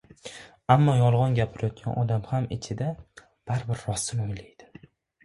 Ammo yolg'on gapirayotgan odam ham ichida, baribir rostini o‘ylaydi.